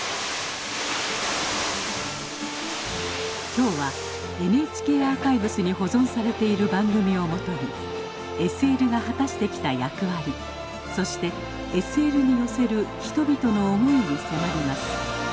今日はＮＨＫアーカイブスに保存されている番組をもとにＳＬが果たしてきた役割そしてＳＬに寄せる人々の思いに迫ります